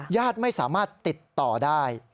ญาติไม่สามารถติดต่อได้